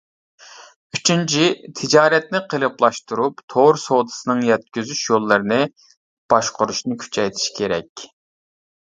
ئۈچىنچى، تىجارەتنى قېلىپلاشتۇرۇپ، تور سودىسىنىڭ يەتكۈزۈش يوللىرىنى باشقۇرۇشنى كۈچەيتىش كېرەك.